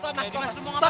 tunggu mas tunggu mas